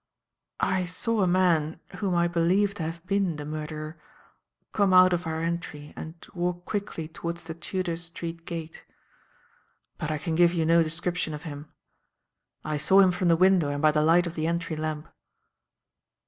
"I saw a man, whom I believe to have been the murderer, come out of our entry and walk quickly towards the Tudor Street Gate. But I can give you no description of him. I saw him from the window and by the light of the entry lamp."